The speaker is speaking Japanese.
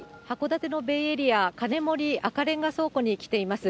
函館のベイエリア、金森赤レンガ倉庫に来ています。